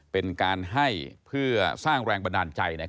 เป็นการให้เพื่อสร้างแรงบันดาลใจ